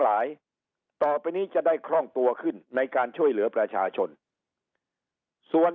ต่อไปนี้จะได้คล่องตัวขึ้นในการช่วยเหลือประชาชนส่วน